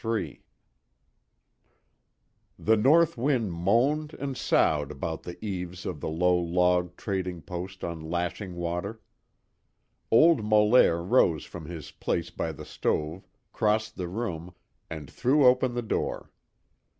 III The north wind moaned and soughed about the eaves of the low log trading post on Lashing Water. Old Molaire rose from his place by the stove, crossed the room, and threw open the door.